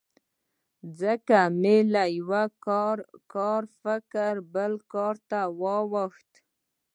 څنګه مې له یوه کاره فکر بل کار ته واوښتل.